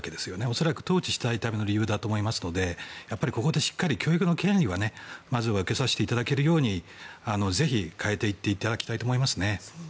恐らく統治したいための理由だと思いますのでここでしっかり教育の権利はまずは受けさせていただけるようぜひ、変えていっていただきたいと思いますね。